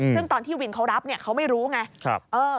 ซึ่งตอนที่วินเขารับเขาไม่รู้ไง